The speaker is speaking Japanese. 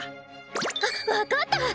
あっ分かった！